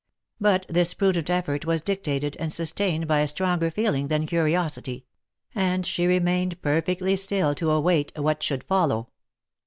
But this prudent effort was dictated and sustained by a stronger feel ing than curiosity ; and she remained perfectly still to await what should follow.